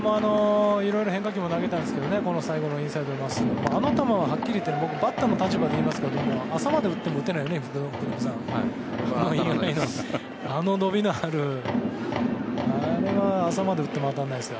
いろいろ変化球も投げたんですけど最後のインサイドに真っすぐあの球はバッターの立場で言いますけど朝まで打っても打てないと思います。